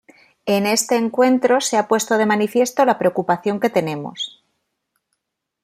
En este encuentro se ha puesto de manifiesto la preocupación que tenemos